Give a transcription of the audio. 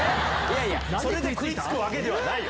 それで食い付くわけではないよ！